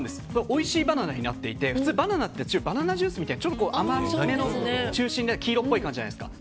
おいしいバナナになっていて普通、バナナってバナナジュースみたいに甘めで中心が黄色っぽい感じじゃないですか。